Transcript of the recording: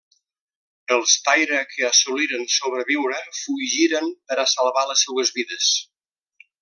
Els Taira que assoliren sobreviure fugiren per a salvar les seues vides.